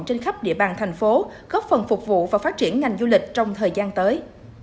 trên khắp địa bàn thành phố góp phần phục vụ và phát triển ngành du lịch trong thời gian tới